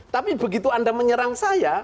tapi begitu anda menyerang saya